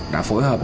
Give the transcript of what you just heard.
đã phối hợp